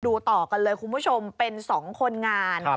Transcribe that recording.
ต่อกันเลยคุณผู้ชมเป็น๒คนงาน